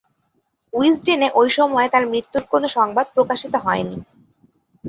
উইজডেনে ঐ সময়ে তার মৃত্যুর কোন সংবাদ প্রকাশিত হয়নি।